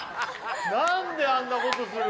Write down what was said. なんであんなことする？